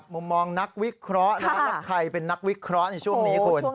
มุมมองนักวิเคราะห์แล้วใครเป็นนักวิเคราะห์ในช่วงนี้คุณ